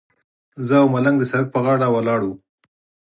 زه او ملنګ د سړک پر غاړه ولاړ وو.